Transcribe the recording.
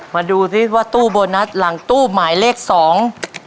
มาดูซิว่าตู้โบนัสหลังตู้หมายเลขสอง